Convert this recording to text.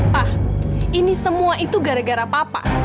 pak ini semua itu gara gara papa